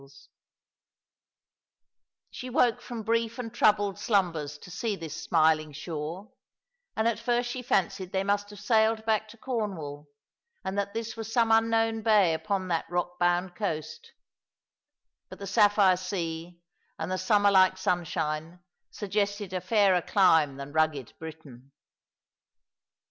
^^ Love and Life and Deaths 311 She woke from brief and troubled slumbers to see this smiling sliore, and at first slie fancied they must have sailed back to Cornwall, and that this was some unknown bay upon that rock bound coast ; but the sapphire sea and the summer like sunshine suggested a fairer clime than rugged Britain.